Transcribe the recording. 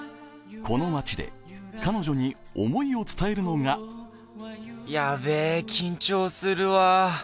この街で彼女に思いを伝えるのがやべえ、緊張するわ。